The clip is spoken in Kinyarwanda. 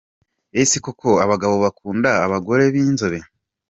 Ese koko abagabo bakunda abagore b’inzobe